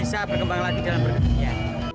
memberikan kami semua